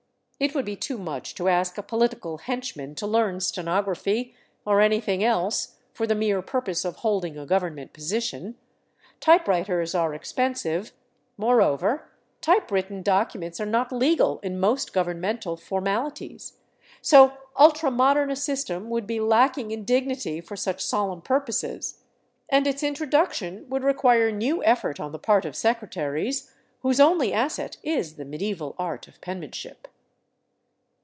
It would be too much to ask a political henchman to learn stenography, or anything else, for the mere purpose of holding a government position; typewriters are expensive; more over, typewritten documents are not legal in most governmental for malities ; so ultra modern a system would be lacking in dignity for such solemn purposes, and its introduction would require new effort on the part of secretaries whose only asset is the medieval art of pen manship.